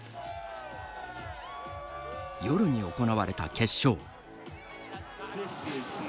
夜に行われた決勝。